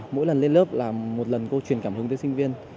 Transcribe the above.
mỗi lần lên lớp là một lần cô truyền cảm hứng tới sinh viên